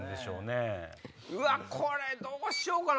うわっこれどうしようかな